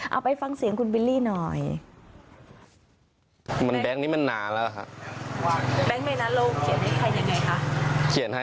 เอาไปฟังเสียงคุณบิลลี่หน่อย